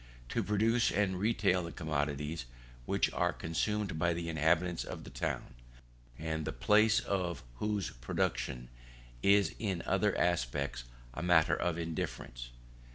To produce and retail the commodities which are consumed by the inhabitants of the town, and the place of whose production is in other respects a matter of indifference.